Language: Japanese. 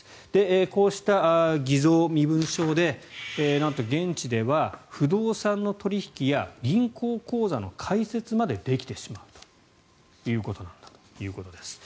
こうした偽造身分証でなんと、現地では不動産の取引や銀行口座の開設までできてしまうということなんだということです。